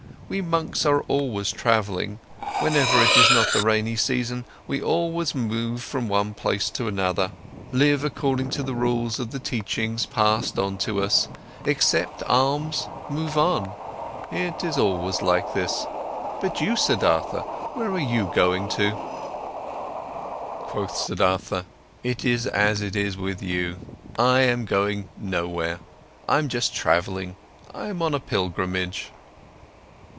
We monks are always travelling, whenever it is not the rainy season, we always move from one place to another, live according to the rules of the teachings passed on to us, accept alms, move on. It is always like this. But you, Siddhartha, where are you going to?" Quoth Siddhartha: "With me too, friend, it is as it is with you. I'm going nowhere. I'm just travelling. I'm on a pilgrimage."